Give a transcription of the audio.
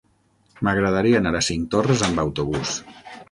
M'agradaria anar a Cinctorres amb autobús.